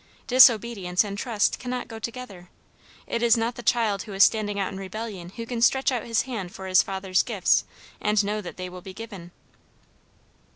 Disobedience and trust cannot go together. It is not the child who is standing out in rebellion who can stretch out his hand for his father's gifts, and know that they will be given."